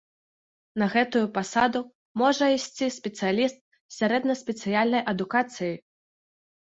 На гэтую пасаду можа ісці спецыяліст з сярэднеспецыяльнай адукацыяй.